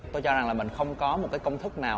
tôi cho rằng là mình không có một cái công thức nào